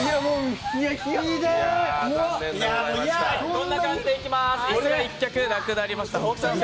こんな感じで行きまーす。